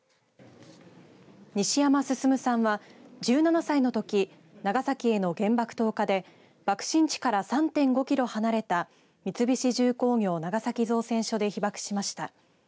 西山進さんは１７歳のとき長崎への原爆投下で爆心地から３．５キロ離れた三菱重工業長崎造船所で被爆しました。